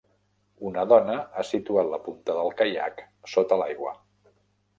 Una dona ha situat la punta del caiac sota l'aigua.